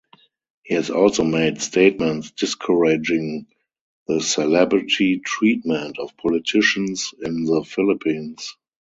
He has also made statements discouraging the "celebrity treatment" of politicians in the Philippines.